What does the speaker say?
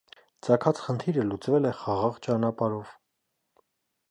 Ծագած խնդիրը լուծվել է խաղաղ ճանապարհով։